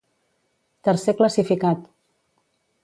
Tercer classificat.